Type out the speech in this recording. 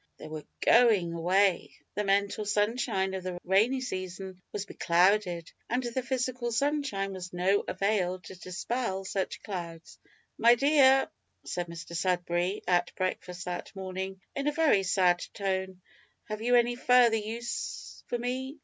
They were going away! The mental sunshine of the rainy season was beclouded, and the physical sunshine was of no avail to dispel such clouds. "My dear," said Mr Sudberry at breakfast that morning, in a very sad tone, "have you any further use for me?"